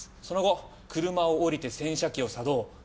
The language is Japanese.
その後車を降りて洗車機を作動。